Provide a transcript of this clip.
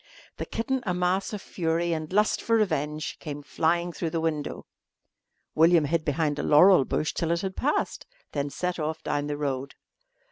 The kitten, a mass of fury and lust for revenge, came flying through the window. William hid behind a laurel bush till it had passed, then set off down the road.